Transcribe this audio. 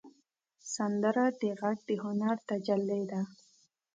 سندره د غږ د هنر تجلی ده